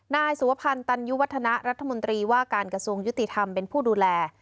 นายสุวพันธ์ตันยุวัฒนะรัฐมนตรีว่าการกระทรวงยุติธรรมเป็นผู้ดูแล